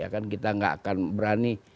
kita gak akan berani